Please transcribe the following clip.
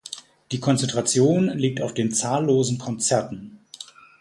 Die Konzentration liegt auf den zahllosen Konzerten.